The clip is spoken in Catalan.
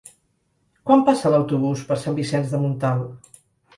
Quan passa l'autobús per Sant Vicenç de Montalt?